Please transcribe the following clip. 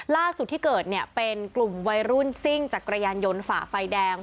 ล่าสุดที่เกิดเนี่ยเป็นกลุ่มวัยรุ่นซิ่งจักรยานยนต์ฝ่าไฟแดง